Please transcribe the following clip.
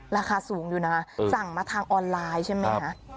ราคาสูงอยู่นะสั่งมาทางออนไลน์ใช่ไหมคะ